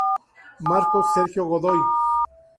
Marcos Sergio Godoy.